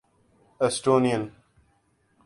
Estonian